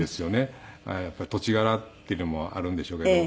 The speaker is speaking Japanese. やっぱり土地柄っていうのもあるんでしょうけども。